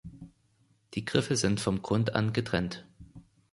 Die Griffel sind vom Grund an getrennt.